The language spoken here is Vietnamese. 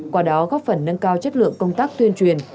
qua đó góp phần nâng cao chất lượng công tác tuyên truyền